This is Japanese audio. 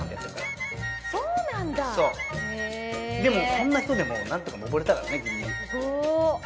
こんな人でも何とか登れたからねギリギリすごっ